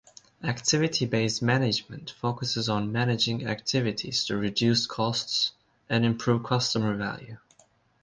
Activity-based management focuses on managing activities to reduce costs and improve customer value.